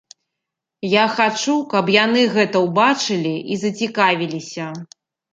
Я хачу, каб яны гэта ўбачылі і зацікавіліся.